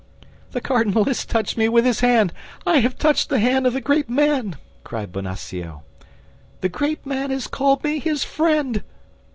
"The cardinal has touched me with his hand! I have touched the hand of the great man!" cried Bonacieux. "The great man has called me his friend!"